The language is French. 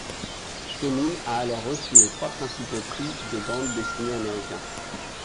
Tomine a alors reçu les trois principaux prix de bande dessinée américains.